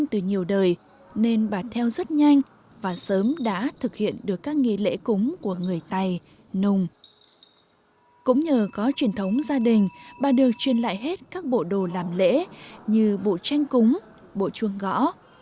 trong truyền thống gia đình bà được truyền lại hết các bộ đồ làm lễ như bộ tranh cúng bộ chuông gõ